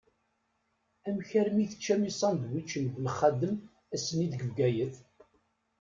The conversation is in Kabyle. Amek armi teččam isandwičen n Belxadem ass-nni deg Bgayet?